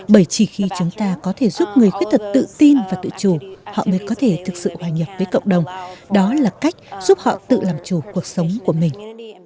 bởi chỉ khi chúng ta có thể giúp người khuyết tật tự tin và tự chủ họ mới có thể thực sự hòa nhập với cộng đồng đó là cách giúp họ tự làm chủ cuộc sống của mình